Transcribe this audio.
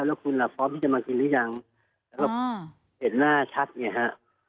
แล้วคุณล่ะพร้อมที่จะมากินหรือยังแล้วก็เห็นหน้าชัดไงฮะ